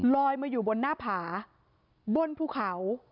ลอยมาอยู่บนหน้าผาบนภูเขา